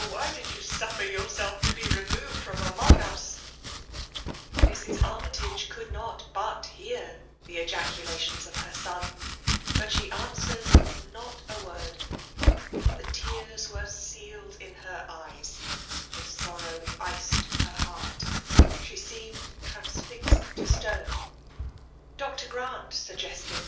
^Why did jou suflSeIr yourself to be removed from among us V Mrs. Armytage could not but hear the ejaculations of her son ; but she answered not a word. The tesrs were sealed in her^eycs,— the sorrow iced her heart ; ahe aoemed trana^ rnuAhE xmsiiNAiiON. > 1331 fiased to stone; Dr. Grant ftuggestcd 'Umk!